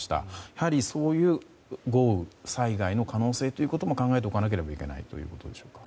やはりそういう豪雨災害の可能性ということも考えておかなければいけないということでしょうか。